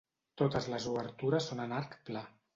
Totes les obertures són en arc pla.